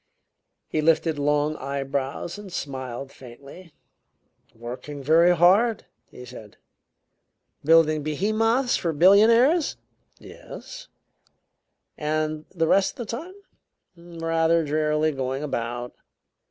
He lifted long eyebrows and smiled faintly. "Working very hard," he said. "Building behemoths for billionaires?" "Yes." "And the rest of the time?" "Rather drearily going about."